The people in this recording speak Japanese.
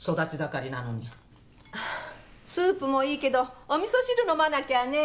スープもいいけどお味噌汁飲まなきゃね。